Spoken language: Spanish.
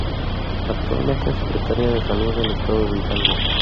Actualmente, es Secretaria de Salud del Estado de Hidalgo